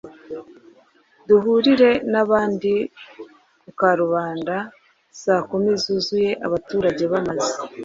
duhurire n’abandi ku karubanda saa kumi zuzuye.” Abaturage bamaze